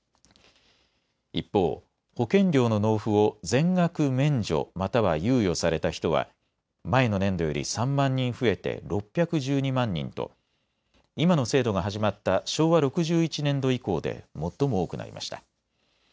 一方、保険料の納付を全額免除または猶予された人は前の年度より３万人増えて６１２万人と今の制度が始まった昭和６１年度以降で最も多くなりました。